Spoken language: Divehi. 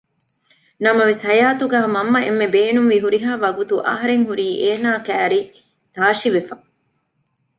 ނަމަވެސް ހަޔާތުގައި މަންމަ އެންމެ ބޭނުންވި ހުރިހާ ވަގުތު އަހަރެން ހުރީ އޭނަ ކައިރީ ތާށިވެފަ